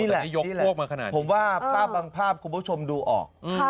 นี่แหละนี่แหละผมว่าบางภาพคุณผู้ชมดูออก